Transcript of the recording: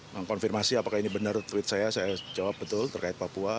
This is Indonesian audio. mengkonfirmasi apakah ini benar tweet saya saya jawab betul terkait papua